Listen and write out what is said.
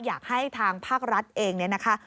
อยากให้ทางภาครัฐเองเนี่ยนะคะ